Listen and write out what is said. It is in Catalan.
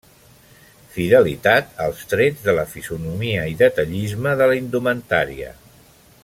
Fidelitat als trets de la fisonomia i detallisme de la indumentària.